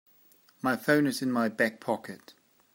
My phone is in my back pocket.